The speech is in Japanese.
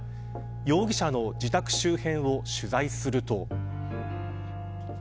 容疑者の自宅周辺を取材すると。